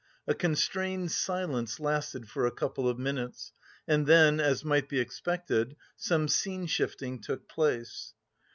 A constrained silence lasted for a couple of minutes, and then, as might be expected, some scene shifting took place.